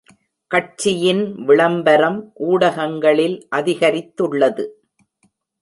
கட்சியின் விளம்பரம் ஊடகங்களில் அதிகரித்துள்ளது .